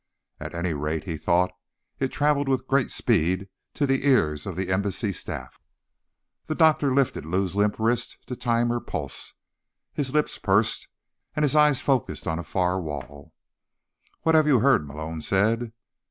At any rate, he thought, it traveled with great speed to the ears of the Embassy staff. The doctor lifted Lou's limp wrist to time her pulse, his lips pursed and his eyes focused on a far wall. "What have you heard?" Malone said.